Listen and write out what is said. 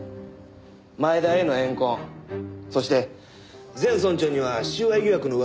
前田への怨恨そして前村長には収賄疑惑の噂がありました。